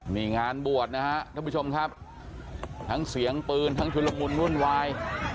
นี่งานบวชนะฮะท่านผู้ชมครับทั้งเสียงปืนทั้งชุดละมุนวุ่นวาย